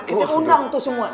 kita undang tuh semua